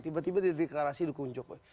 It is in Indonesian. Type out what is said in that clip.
tiba tiba dia deklarasi dukung jokowi